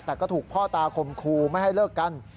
แต่ก็ถูกพ่อตาคมครูไม่ให้เลิกกัน